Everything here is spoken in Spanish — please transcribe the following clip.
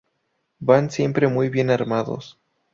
Van siempre muy bien armados.